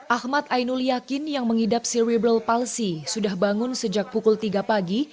ahmad ainul yakin yang mengidap cereable policy sudah bangun sejak pukul tiga pagi